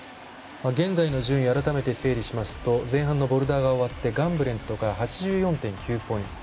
現在の順位改めて整理しますと前半のボルダーが終わってガンブレットが８４．９ポイント。